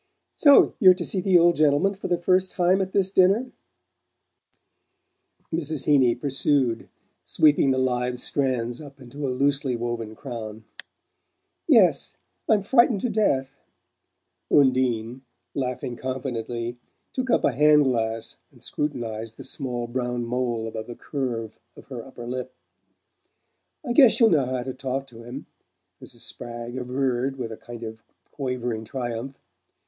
"So you're to see the old gentleman for the first time at this dinner?" Mrs. Heeny pursued, sweeping the live strands up into a loosely woven crown. "Yes. I'm frightened to death!" Undine, laughing confidently, took up a hand glass and scrutinized the small brown mole above the curve of her upper lip. "I guess she'll know how to talk to him," Mrs. Spragg averred with a kind of quavering triumph.